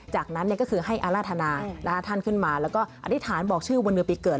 จากนั้นก็คือให้อาราธนาท่านขึ้นมาแล้วก็อธิษฐานบอกชื่อวันเดือนปีเกิด